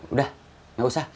udah gak usah